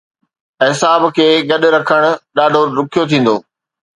اعصاب کي گڏ رکڻ ڏاڍو ڏکيو ٿيندو.